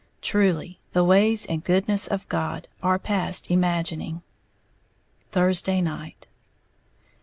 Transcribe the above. Truly, the ways and goodness of God are past imagining. _Thursday Night.